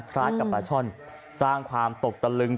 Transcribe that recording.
คล้ายกับปลาช่อนสร้างความตกตะลึง